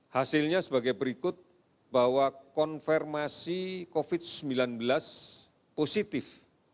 hasilnya sebagai berikut bahwa konfirmasi covid sembilan belas positif